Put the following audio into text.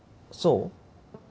そう？